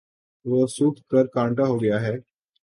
وہ سوکھ کر کانٹا ہو گیا ہے